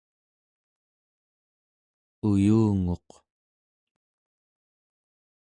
uyunguq